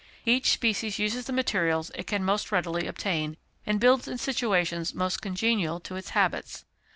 Each species uses the materials it can most readily obtain, and builds in situations most congenial to its habits.